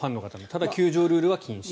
ただ、球場ルールは禁止と。